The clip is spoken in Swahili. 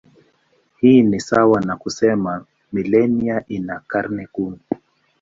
Hii ni sawa na kusema milenia ina karne kumi.